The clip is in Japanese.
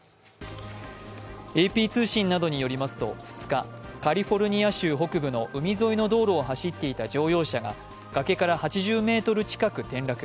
ＡＰ通信などによりますと、２日、カリフォルニア州北部の海沿いの道路を走っていた乗用車が崖から８０ｍ近く転落。